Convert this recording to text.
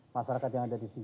masyarakat yang ada di sini